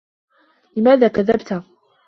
لِماذا كَذَبْتَ؟